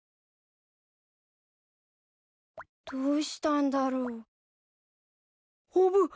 どうしたんだろう？おぶっ！